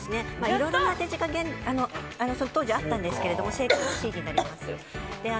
いろいろな当て字が当時あったんですが正解はＣになります。